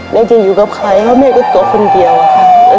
แล้วจะอยู่กับใครเพราะแม่ก็ตัวคนเดียวอะค่ะ